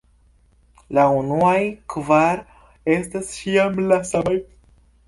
La unuaj kvar estas ĉiam la samaj.